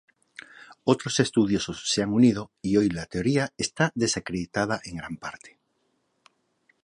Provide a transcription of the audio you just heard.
Otros estudiosos se han unido y hoy la teoría está desacreditada en gran parte.